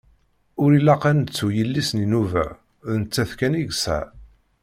Ur ilaq ad nettu yelli-s n inuba, d nettat kan i yesɛa.